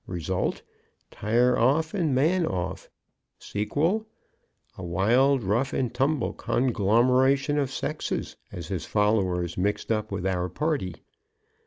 Result: Tire off and man off. Sequel: A wild rough and tumble conglomeration of sexes, as his followers mixed up with our party.